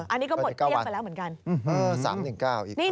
อันนี้ก็หมดเกลี้ยงไปแล้วเหมือนกัน๓๑๙อีก